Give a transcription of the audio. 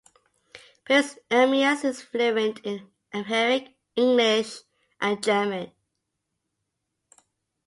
Prince Ermias is fluent in Amharic, English and German.